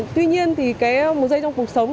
tuy nhiên thì một giây trong cuộc sống